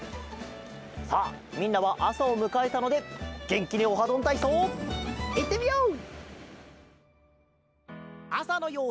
さあみんなはあさをむかえたのでげんきに「オハどんたいそう」いってみよう！